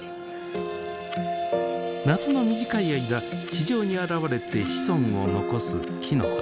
夏の短い間地上に現れて子孫を残すきのこたち。